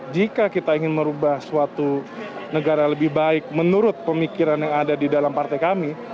jika kita ingin merubah suatu negara lebih baik menurut pemikiran yang ada di dalam partai kami